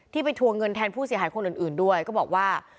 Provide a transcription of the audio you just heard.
ไปทวงเงินแทนผู้เสียหายคนอื่นด้วยก็บอกว่า